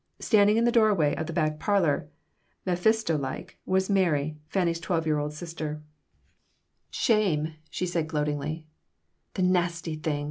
Standing in the doorway of the back parlor, Mefisto like, was Mary, Fanny's twelve year old sister "Shame!" she said, gloatingly "The nasty thing!"